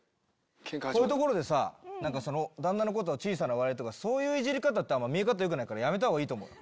こういう所でさ旦那のこと小さな笑いとかさそういうイジり方って見え方よくないからやめた方がいいと思う。